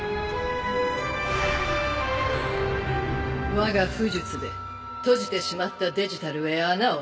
わが巫術で閉じてしまったデジタルへ穴を開ける。